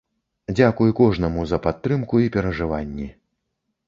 Дзякуй кожнаму за падтрымку і перажыванні.